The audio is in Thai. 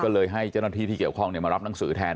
ก็เลยให้เจ้าหน้าที่ที่เกี่ยวข้องมารับหนังสือแทน